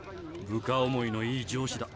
部下思いのいい上司だ。